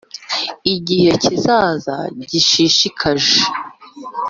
igihe kizaza gishishikaje